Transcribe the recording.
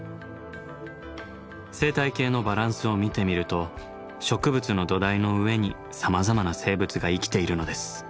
生態系のバランスを見てみると植物の土台の上にさまざまな生物が生きているのです。